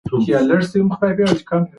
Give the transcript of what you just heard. د ذهن پراختیا ته وخت ورکړئ.